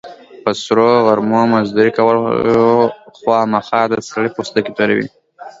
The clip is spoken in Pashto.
په سرو غرمو مزدوري کول، خوامخا د سړي پوستکی توروي.